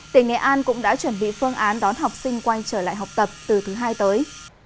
tỉnh nghệ an cũng đã chuẩn bị phương án đón học sinh quay trở lại học tập từ thứ hai tới